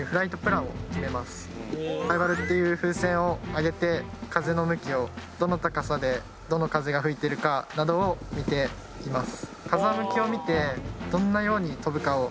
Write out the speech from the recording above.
「パイバル」っていう風船をあげて風の向きをどの高さでどの風が吹いてるかなどを見ています。